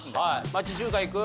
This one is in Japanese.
町中華行く？